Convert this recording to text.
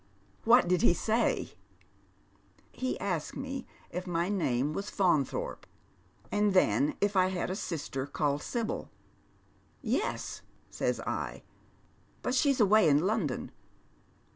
" What did he say ?"*'■ He asked me if my name was Faunthorpe, and then if I had « sister called Sibyl. ' Yes,' says I, ' but she's away in London.'